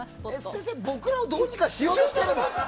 先生、僕らをどうにかしようとしてる？